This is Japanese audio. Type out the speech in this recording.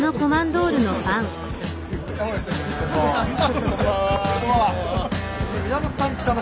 こんばんは。